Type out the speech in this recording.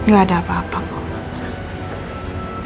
gak ada apa apa kok